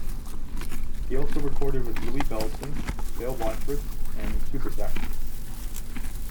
He also recorded with Louie Bellson, Bill Watrous, and Supersax.